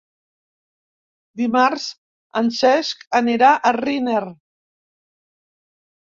Dimarts en Cesc anirà a Riner.